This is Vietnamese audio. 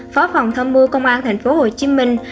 phó phòng tham mưu công an thành phố hồ chí minh